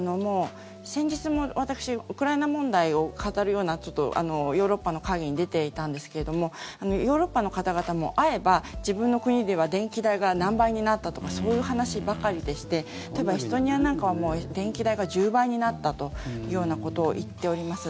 先日も私ウクライナ問題を語るようなヨーロッパの会議に出ていたんですけどヨーロッパの方々も会えば自分の国では電気代が何倍になったとかそういう話ばかりでしてエストニアなんかはもう電気代が１０倍になったということを言っております。